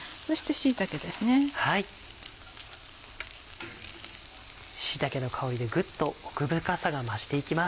椎茸の香りでグッと奥深さが増して行きます。